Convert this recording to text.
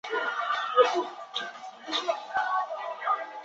劳动者之间的就业竞争会驱使工资水平下滑至仅能糊口的最低水平。